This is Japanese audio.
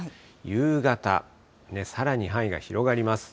夕方、さらに範囲が広がります。